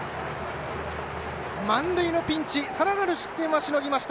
満塁のピンチさらなる失点はしのぎました